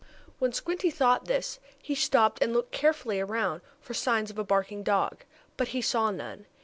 When Squinty thought this he stopped and looked carefully around for any signs of a barking dog. But he saw none.